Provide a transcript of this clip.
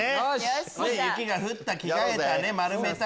「雪が降った着替えた丸めた」